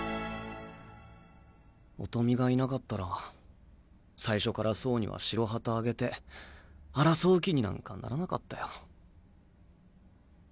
音美がいなかったら最初から走には白旗あげて争う気になんかならなかったよ。